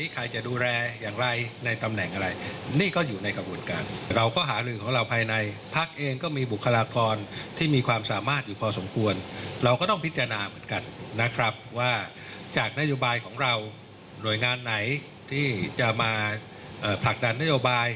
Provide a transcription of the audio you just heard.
คนของเราหน่วยงานไหนที่จะมาผลักฐานนโยบาย